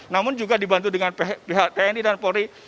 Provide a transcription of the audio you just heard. namun juga dibantu dengan pihak tni dan polri